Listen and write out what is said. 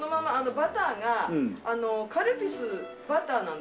バターがカルピスバターなんですよ。